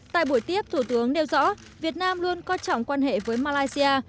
tại buổi tiếp thủ tướng nêu rõ việt nam luôn coi trọng quan hệ với malaysia